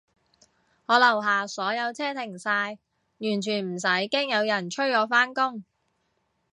我樓下所有車停晒，完全唔使驚有人催我返工